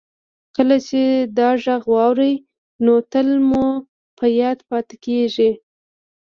کله چې دا غږ واورئ نو تل مو په یاد پاتې کیږي